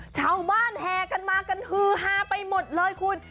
ชาวบ้านแห่กันมากันฮือฮาไปหมดเลยคุณ